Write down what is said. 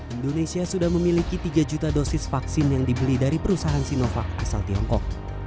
indonesia sudah memiliki tiga juta dosis vaksin yang dibeli dari perusahaan sinovac asal tiongkok